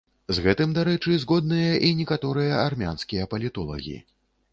З гэтым, дарэчы, згодныя і некаторыя армянскія палітолагі.